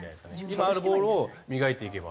今あるボールを磨いていけば。